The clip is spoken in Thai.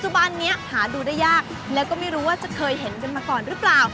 บันนี้หาดูได้ยากแล้วก็ไม่รู้ว่าจะเคยเห็นกันมาก่อนหรือเปล่า